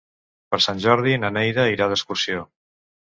Per Sant Jordi na Neida irà d'excursió.